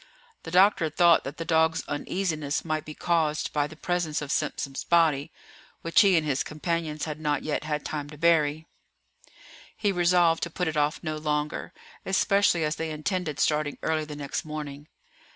The doctor thought that the dog's uneasiness might be caused by the presence of Simpson's body, which he and his companions had not yet had time to bury. He resolved to put it off no longer, especially as they intended starting early the next morning.